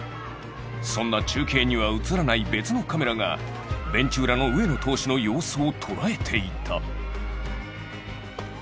そんな中継には映らない別のカメラがベンチ裏の上野投手の様子を捉えていた。